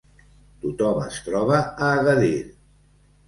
Tothom es troba a Agadir.